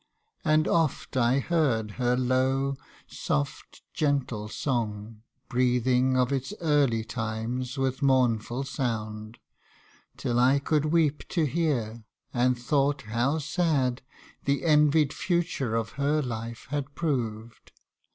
202 THE FUTURE. And oft I heard her low, soft, gentle song, Breathing of early times with mournful sound, Till I could weep to hear, and thought how sad. The envied future of her life had proved.